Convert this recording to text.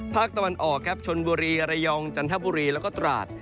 ภาคตะวันออกครับชนบุรีระยองจันทบุรีแล้วก็ตราด